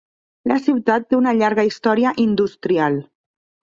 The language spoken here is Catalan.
La ciutat té una llarga història industrial.